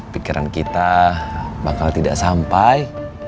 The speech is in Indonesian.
pikiran kita bakal tidak sampai